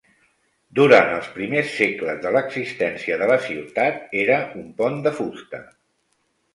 Durant els primers segles de l'existència de la ciutat, era un pont de fusta.